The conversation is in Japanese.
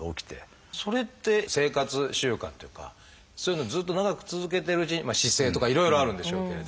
それって生活習慣というかそういうのをずっと長く続けてるうちに姿勢とかいろいろあるんでしょうけれど。